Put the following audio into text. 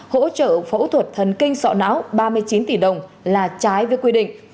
hỗ trợ phẫu thuật thần kinh sọ não ba mươi chín tỷ đồng là trái với quy định